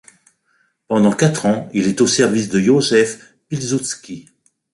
Pendant quatre ans, il est au service de Józef Piłsudski.